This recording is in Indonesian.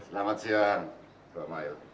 selamat siang pak mail